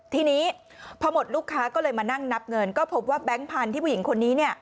ทีนี้พอหมดลูกค้าก็เลยมานั่งนับเงินก็พบว่าแบงค์พันธุ์ที่ผู้หญิงคนนี้เนี่ย